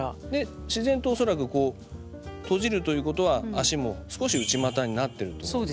自然と恐らくこう閉じるということは足も少し内股になってると思います。